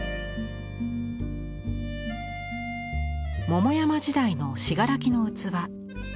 桃山時代の信楽の器。